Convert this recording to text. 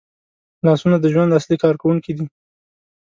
لاسونه د ژوند اصلي کارکوونکي دي